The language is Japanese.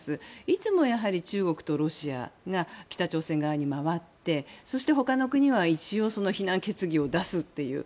いつも、やはり中国とロシアが北朝鮮側に回ってそしてほかの国は一応、非難決議を出すっていう。